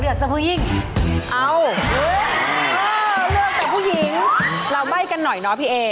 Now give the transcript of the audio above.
เลือกแต่ผู้หญิงเอ้าเลือกแต่ผู้หญิงเราใบ้กันหน่อยเนอะพี่เอ